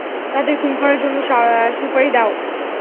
তাদের খুন করার জন্য, সুপাড়ি দোও!